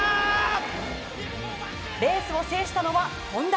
レースを制したのは本多。